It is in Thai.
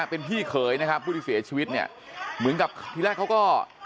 เป็นพี่เขยนะครับผู้ที่เสียชีวิตเนี่ยเหมือนกับที่แรกเขาก็